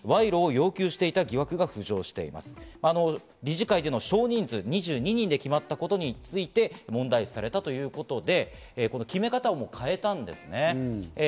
理事会での少人数、２２人で決まったことについて問題視されたということで、この決め方を変えたんですね。